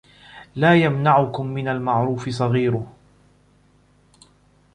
لَا يَمْنَعُكُمْ مِنْ الْمَعْرُوفِ صَغِيرُهُ